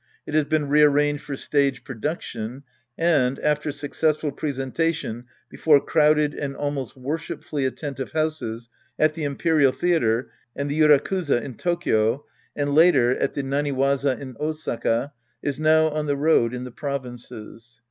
It has been rearrangeii for stage production and, after successful presentation before crowded and almost worshipfully attentive houses at the Imperial Theatre and the Yiirakuza in Tokyo, and later at the Namwaza in Osaka, is now on the road in the provinces.